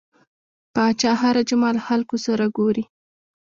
پاچا هر جمعه له خلکو سره ګوري .